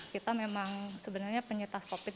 kita memang sebenarnya penyitas covid sembilan belas